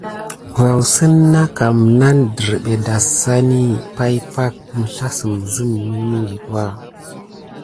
Vaoussən na kam nane dərɓé adassane pay pakə, məslassəm zəmə milmiŋɠitwa.